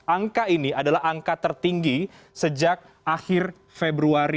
angka ini adalah angka tertinggi sejak akhir februari dua ribu dua puluh satu